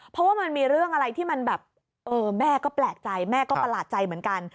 เพราะว่ามันมีเรื่องอะไรที่มันแบบเออแม่ก็แปลกใจแม่ก็ประหลาดใจเหมือนกัน